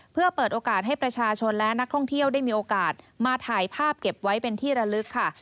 เพื่อเปิดโอกาสให้ประชาชนและนักท่องเที่ยวได้มีโอกาสมาถ่ายภาพเก็บไว้เป็นที่ระลึกค่ะ